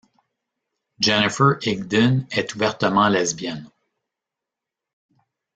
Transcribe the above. Jennifer Higdon est ouvertement lesbienne.